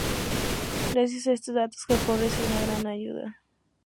Gracias a estos datos Japón recibió una gran ayuda.